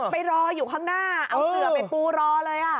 ไปรออยู่ข้างหน้าเอาเสือไปปูรอเลย